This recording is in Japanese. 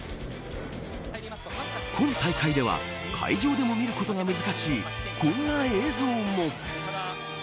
今大会では会場でも見ることが難しいこんな映像も。